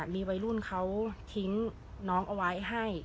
มีวัยรุ่นเขาทิ้งน้องเอาไว้ให้